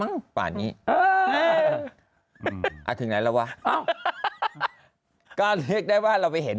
มั้งฝ่านี้เออถึงไหนแล้ววะก็เรียกได้ว่าเราไปเห็น